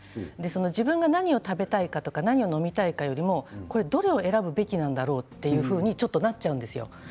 自分が何を食べたいかとか何を飲みたいかというよりもどれを選ぶべきなのかというふうになってしまうんです。